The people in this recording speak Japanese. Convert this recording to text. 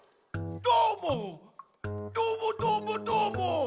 どーもどーもどーもどーも。